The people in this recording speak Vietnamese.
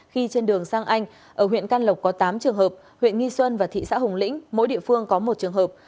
khi trên đường sang anh ở huyện can lộc có tám trường hợp huyện nghi xuân và thị xã hùng lĩnh mỗi địa phương có một trường hợp